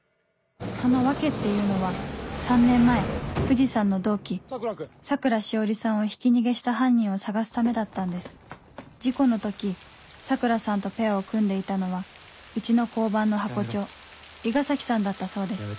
その訳っていうのは３年前藤さんの同期桜しおりさんをひき逃げした犯人を捜すためだったんです事故の時桜さんとペアを組んでいたのはうちの交番のハコ長伊賀崎さんだったそうです